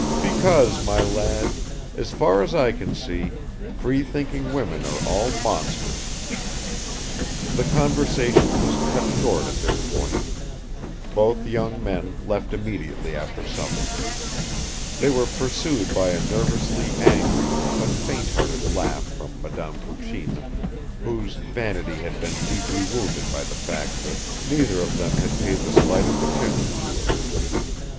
"Because, my lad, as far as I can see, free thinking women are all monsters." The conversation was cut short at this point. Both young men left immediately after supper. They were pursued by a nervously angry but fainthearted laugh from Madame Kukshina, whose vanity had been deeply wounded by the fact that neither of them had paid the slightest attention to her.